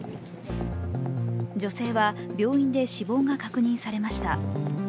女性は病院で死亡が確認されました。